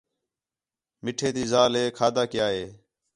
مٹھے تی ذال ہے کھادا کَیا ہِے